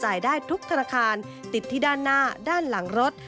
ได้ทุกธนาคารติดที่ด้านหน้าด้านหลังรถ